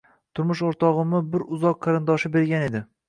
Turmush oʻrtogʻimni bir uzoq qarindoshi bergan edi